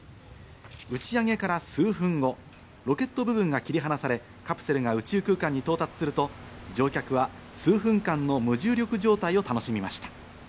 打ち上げから数分後、ロケット部分が切り離され、カプセルが宇宙空間に到達すると、乗客は数分間の無重力状態を楽しみました。